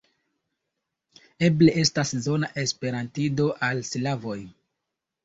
Eble estas zona esperantido al slavoj.